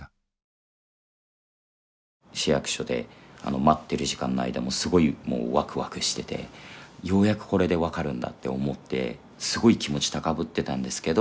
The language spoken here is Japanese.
市役所で待ってる時間の間もすごいわくわくしててようやくこれで分かるんだって思ってすごい気持ち高ぶってたんですけど。